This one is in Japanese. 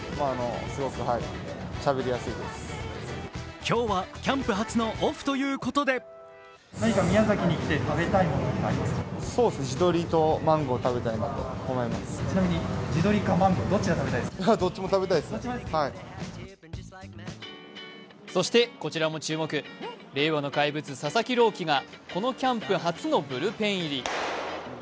今日はキャンプ初のオフということでそしてこちらも注目、令和の怪物・佐々木朗希がこのキャンプ初のブルペン入り。